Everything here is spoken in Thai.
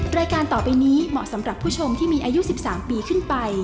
รายการต่อไปนี้เหมาะสำหรับผู้ชมที่มีอายุ๑๓ปีขึ้นไป